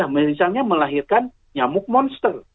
misalnya melahirkan nyamuk monster